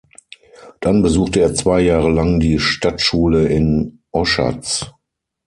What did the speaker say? Dann besuchte er zwei Jahre lang die Stadtschule in Oschatz.